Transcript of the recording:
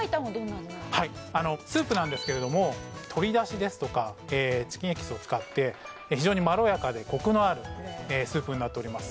あのあのスープなんですけれども鶏出汁ですとかチキンエキスを使って非常にまろやかでコクのあるスープになっております